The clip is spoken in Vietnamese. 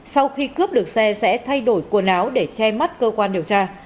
sau khi cướp được xe sẽ thay đổi quần áo để che mắt cơ quan điều tra